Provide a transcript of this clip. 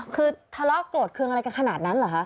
คือทะเลาะโกรธเครื่องอะไรกันขนาดนั้นเหรอคะ